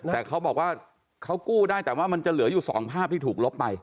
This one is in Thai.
แต่เขาบอกว่าเขากู้ได้แต่ว่ามันจะเหลืออยู่๒ภาพที่ถูกลบไป